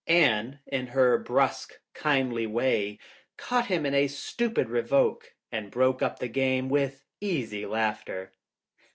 Anne, in her brusque, kindly way, caught him in a stupid revoke and broke up the game with easy laughter.